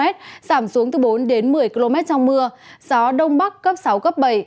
giảm xuống từ bốn đến một mươi km trong mưa gió đông bắc cấp sáu cấp bảy